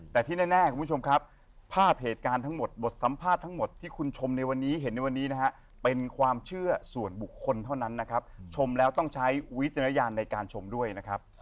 แต่ที่แน่คุณผู้ชมครับภาพเหตุการณ์ทั้งหมดบทสัมภาษณ์ทั้งหมดที่คุณชมในวันนี้เห็นในวันนี้นะฮะเป็นความเชื่อส่วนบุคคลเท่านั้นนะครับชมแล้วต้องใช้วิจารณญาณในการชมด้วยนะครับ